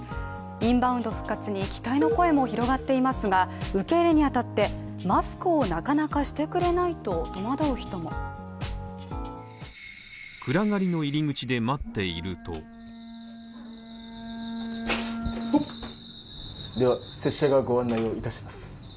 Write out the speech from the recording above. インバウンド復活に期待の声も広がっていますが、受け入れに当たって、マスクをなかなかしてくれないと戸惑う人も暗がりの入り口で待っているとでは、拙者がご案内をいたします。